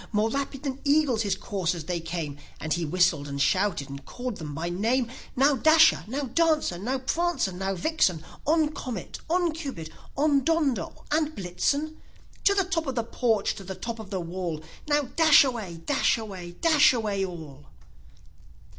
More rapid than eagles his coursers they came, And he whistled, and shouted, and called them by name: ow, Dasher! now, Dancer! now, Prancer and Vixen! On, Comet! on, Cupid! on, Donder and Blitzen! To the top of the porch! to the top of the wall! Now dash away! dash away! dash away all!"